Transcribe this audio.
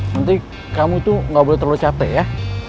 nanti kamu tuh gak boleh terlalu capek ya